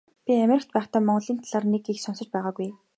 Би Америкт байхдаа Монголын талаар нэг их сонсож байгаагүй.